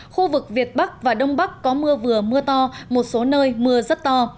khu vực việt bắc và đông bắc có mưa vừa mưa to một số nơi mưa rất to